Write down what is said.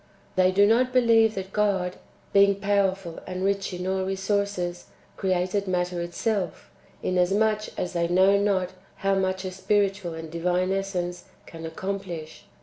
They do not believe that God (being powerful, and rich in all resources) created matter itself, inasmuch as they know not how much a spiritual and divine essence can accomplish.